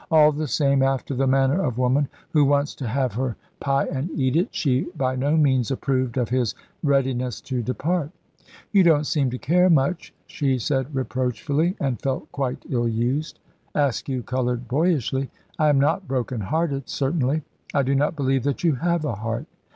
All the same, after the manner of woman, who wants to have her pie and eat it, she by no means approved of his readiness to depart. "You don't seem to care much," she said reproachfully, and felt quite ill used. Askew coloured boyishly. "I am not broken hearted, certainly." "I do not believe that you have a heart."